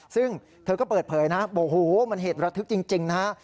ซึ่งเธอก็เปิดเผยนะโอ้โหมันเหตุระทึกจริงนะฮะ